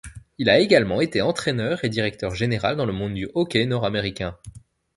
Il a également été entraîneur et directeur-général dans le monde du hockey nord-américain.